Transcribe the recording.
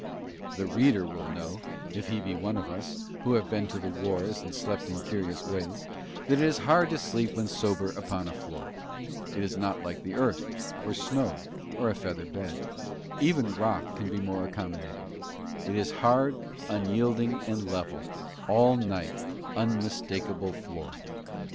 The reader will know, if he be one of us, who have been to the wars and slept in curious ways, that it is hard to sleep when sober upon a floor; it is not like the earth, or snow, or a feather bed; even rock can be more accommodating; it is hard, unyielding and level, all night unmistakable floor.